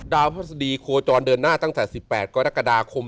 พระสดีโคจรเดินหน้าตั้งแต่๑๘กรกฎาคม